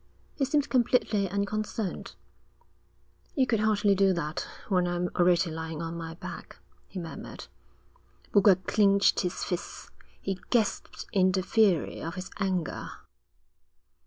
He seemed completely unconcerned. 'You could hardly do that when I'm already lying on my back,' he murmured. Boulger clenched his fists. He gasped in the fury of his anger.